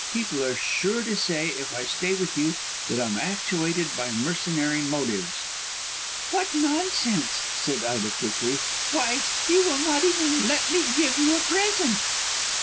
People are sure to say, if I stay with you, that I am actuated by mercenary motives." "What nonsense," said Ida quickly; "why, you will not even let me give you a present."